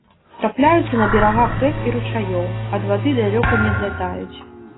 Трапляюцца па берагах рэк і ручаёў, ад вады далёка не адлятаюць.